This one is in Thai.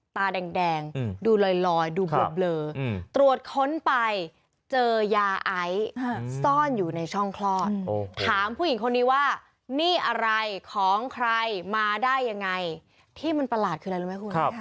ที่มันประหลาดคืออะไรไหมครับ